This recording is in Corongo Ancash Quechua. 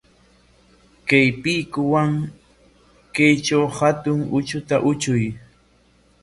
Kay piikuwan kaytraw hatun utrkuta utrkuy.